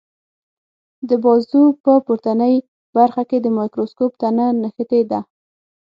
د بازو په پورتنۍ برخه کې د مایکروسکوپ تنه نښتې ده.